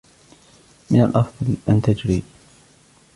من الأفضل أن تجري.